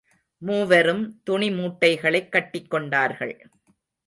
மூவரும் துணி மூட்டைகளைக் கட்டிக் கொண்டார்கள்.